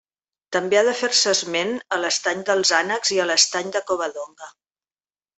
També ha de fer-se esment a l'Estany dels Ànecs i a l'Estany de Covadonga.